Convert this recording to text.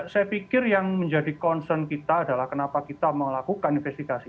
saya pikir yang menjadi concern kita adalah kenapa kita melakukan investigasi